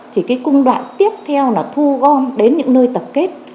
thì cái cung đoạn tiếp theo là thu gom đến những nơi tập kết